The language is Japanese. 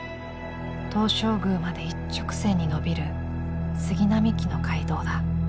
東照宮まで一直線に延びる杉並木の街道だ。